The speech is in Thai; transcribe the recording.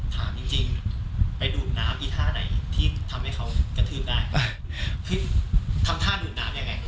ถามจริงจริงไปดูดน้ำอีท่าไหนที่ทำให้เขากระทืบได้เฮ้ยทำท่าดูดน้ำยังไง